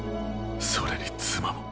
それに妻も。